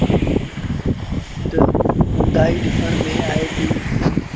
تا اُندآئي ڏسڻ ميݩ آئي ديٚ۔